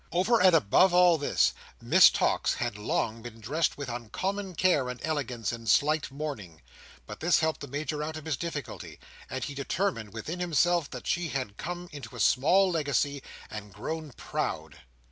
Over and above all this, Miss Tox had long been dressed with uncommon care and elegance in slight mourning. But this helped the Major out of his difficulty; and he determined within himself that she had come into a small legacy, and grown proud.